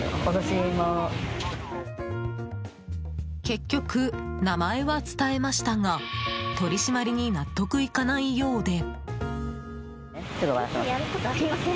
結局、名前は伝えましたが取り締まりに納得いかないようで。